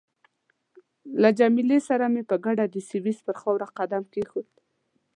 له جميله سره مې په ګډه د سویس پر خاوره قدم کېښود.